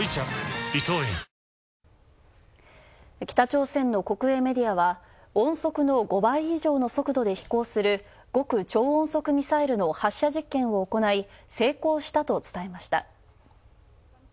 北朝鮮の国営メディアは、音速の５倍以上の速度で飛行する極超音速ミサイルの発射実験を行い、成功したと伝えました。